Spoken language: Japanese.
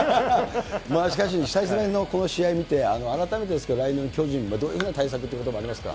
しかし久々のこの試合見て、改めてですけど、来年の巨人のどんな対策ということありますか。